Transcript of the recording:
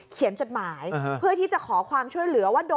จดหมายเพื่อที่จะขอความช่วยเหลือว่า